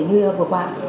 như hợp phạm